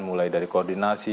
mulai dari koordinasi